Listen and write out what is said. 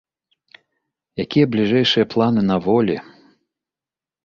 Якія бліжэйшыя планы на волі?